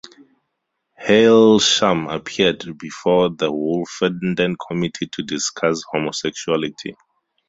Hailsham appeared before the Wolfenden Committee to discuss homosexuality.